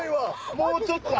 もうちょっとだ！